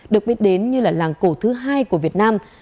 được biết đến như là làng cổ thứ hai của việt nam